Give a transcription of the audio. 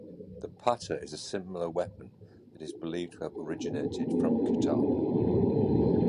The pata is a similar weapon that is believed to have originated from Qatar.